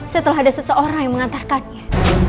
setelah ada seseorang yang mengantarkannya